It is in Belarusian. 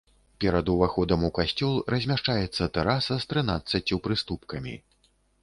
Перад уваходам у касцёл размяшчаецца тэраса з трынаццаццю прыступкамі.